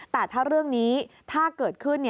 แต่ถ้าเรื่องนี้ถ้าเกิดขึ้น